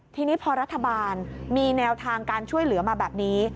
ทีนี้พอรัฐบาลมีแนวทางการช่วยเหลือมาแบบนี้